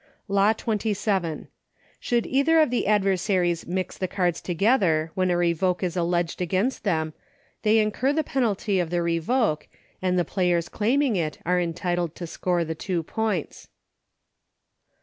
Law XXVII. Should either of the adversaries mix the cards together when a revoke is alleged against them they incur the penalty of the revoke, and the players claiming it are entitled to score the two points.